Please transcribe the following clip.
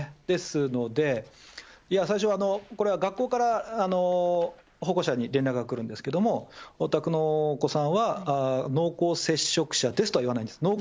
ですので、最初、これは学校から保護者に連絡が来るんですけれども、お宅のお子さんは濃厚接触者ですとは言わないんです。